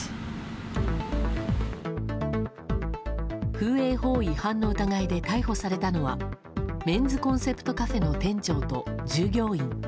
風営法違反の疑いで逮捕されたのはメンズコンセプトカフェの店長と従業員。